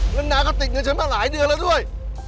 แล้วน้าก็ติดเงินฉันมาหลายเดือนแล้วด้วย